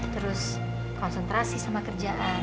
terus konsentrasi sama kerjaan